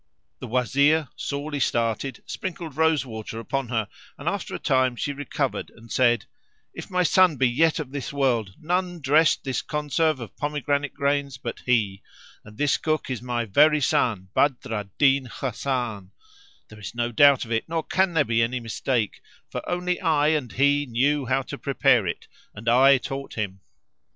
The Wazir, sorely started, sprinkled rose water upon her and after a time she recovered and said, "If my son be yet of this world, none dressed this conserve of pomegranate grains but he; and this Cook is my very son Badr al Din Hasan; there is no doubt of it nor can there be any mistake, for only I and he knew how to prepare it and I taught him."